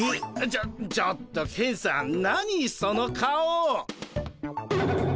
ちょちょっとケンさん何その顔。